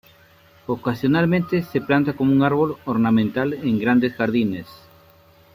Ocasionalmente se planta como un árbol ornamental en grandes jardines.